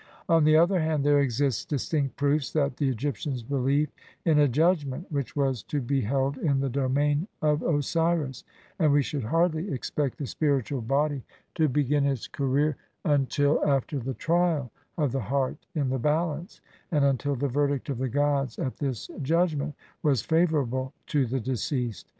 On the other hand, there exist distinct proofs that the Egyptians believed in a Judgment which was to be held in the domain of Osiris, and we should hardly expect the spiritual body to begin its career until after the trial of the heart in the Balance, and until the verdict of the gods at this Judgment was favour able to the deceased.